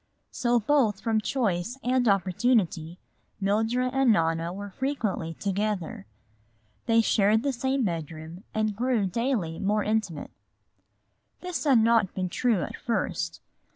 So both from choice and opportunity Mildred and Nona were frequently together. They shared the same bedroom and grew daily more intimate. This had not been true at first.